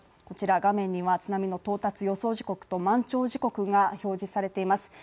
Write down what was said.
こちら画面には津波の到達予想時刻と満潮時刻が表示されています。